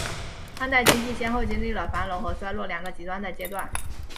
汉代经济先后经历了繁荣和衰落两个极端的阶段。